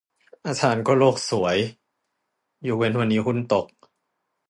อาจารย์ก็โลกสวย ยกเว้นวันนี้หุ้นตก